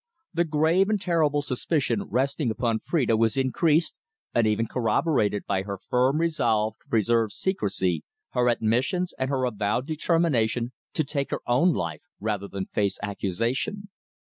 The grave and terrible suspicion resting upon Phrida was increased and even corroborated by her firm resolve to preserve secrecy, her admissions, and her avowed determination to take her own life rather than face accusation.